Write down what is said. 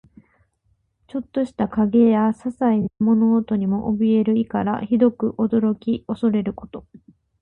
ちょっとした影やささいな物音にもおびえる意から、ひどく驚き怖れること。